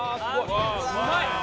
あすごい。